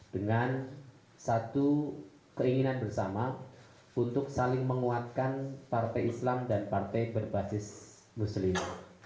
dengan satu keinginan bersama untuk saling menguatkan partai islam dan partai berbasis muslim